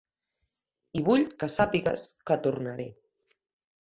I vull que sàpigues que tornaré.